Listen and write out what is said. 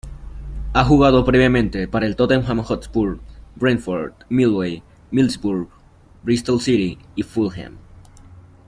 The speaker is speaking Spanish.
Ha jugado previamente para el Tottenham Hotspur, Brentford, Millwall, Middlesbrough, Bristol City y Fulham.